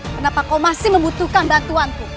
kenapa kau masih membutuhkan bantuanku